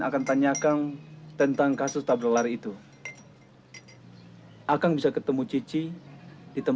kang madin yang kemarin akang jatuhkan